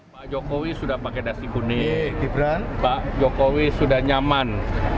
pak jokowi sudah pakai dasi bunyi pak jokowi sudah nyaman